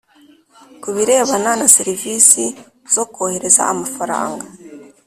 Kubirebana na serivisi zo kohereza amafaranga